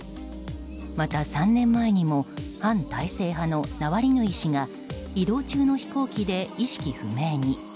また３年前にも反体制派のナワリヌイ氏が移動中の飛行機で意識不明に。